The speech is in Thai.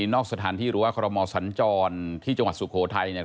นอกสถานที่หรือว่าคอรมอสัญจรที่จังหวัดสุโขทัยเนี่ย